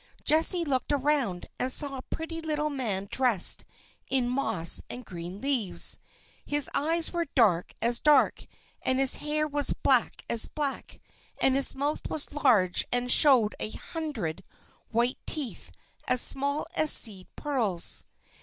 Jessie looked around, and saw a pretty little man dressed in moss and green leaves. His eyes were dark as dark, and his hair was black as black, and his mouth was large and showed a hundred white teeth as small as seed pearls.